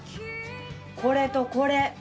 これとこれ。